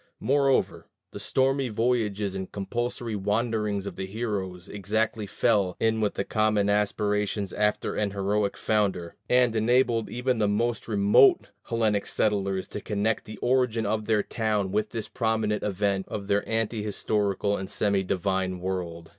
Moreover, the stormy voyages and compulsory wanderings of the heroes exactly fell in with the common aspirations after an heroic founder, and enabled even the most remote Hellenic settlers to connect the origin of their town with this prominent event of their ante historical and semi divine world.